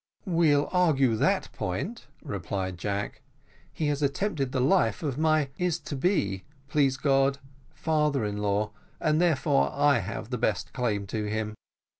"We'll argue that point," replied Jack: "he has attempted the life of my is to be, please God, father in law, and therefore I have the best claim to him."